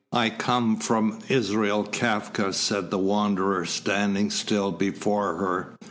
"I come from Israel Kafka," said the Wanderer, standing still before her.